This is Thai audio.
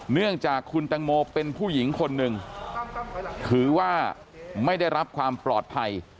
เนื่องจากคุณตังโมเป็นผู้หญิงคนหนึ่งถือว่าไม่ได้รับความปลอดภัย